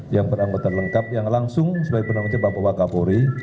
yang beranggota lengkap yang langsung sebagai penanggota bapak kapolri